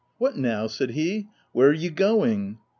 " What now V* said he. " Where are you going